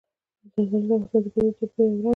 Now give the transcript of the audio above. زردالو د افغانستان د طبیعي پدیدو یو رنګ دی.